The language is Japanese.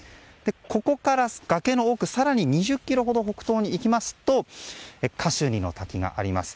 ここから崖の奥更に２０ｋｍほど北東に行きますとカシュニの滝があります。